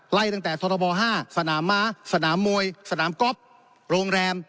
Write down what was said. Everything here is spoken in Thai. ไล่ตั้งแต่ทรบ๕สนามม้าสนามมวยสนามก๊อฟโรงแรม